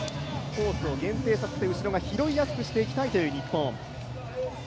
コースを限定させて後ろが拾いやすくしていきたい日本。